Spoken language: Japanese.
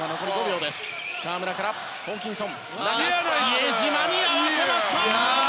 比江島に合わせました！